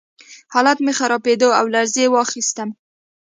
حالت مې خرابېده او لړزې واخیستم